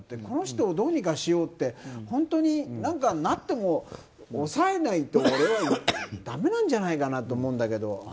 この人をどうにかしようって何かなっても抑えないとだめなんじゃないかなと思うんだけど。